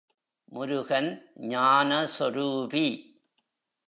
முருகன் ஞான சொரூபி.